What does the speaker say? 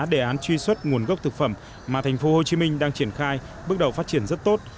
đề án truy xuất nguồn gốc thực phẩm mà thành phố hồ chí minh đang triển khai bước đầu phát triển rất tốt